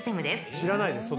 知らないです